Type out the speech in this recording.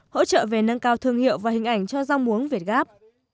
hỗ trợ về nâng cao thương hiệu và hình ảnh cho rau muống việt gáp